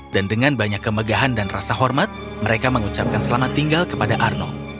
dan dengan banyak kemegahan dan rasa hormat mereka mengucapkan selamat tinggal kepada arnold